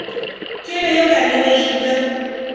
接着又改名为晴贞。